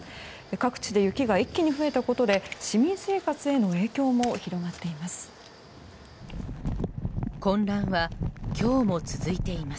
各地で雪が一気に増えたことで市民生活への影響も広がっています。